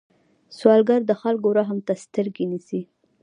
سوالګر د خلکو رحم ته سترګې نیسي